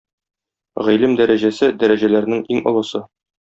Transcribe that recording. Гыйлем дәрәҗәсе — дәрәҗәләрнең иң олысы.